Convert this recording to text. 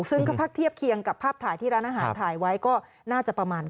ซึ่งถ้าเทียบเคียงกับภาพถ่ายที่ร้านอาหารถ่ายไว้ก็น่าจะประมาณ